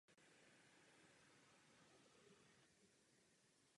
Kněz je podřízen biskupovi a ten provádí jeho svěcení.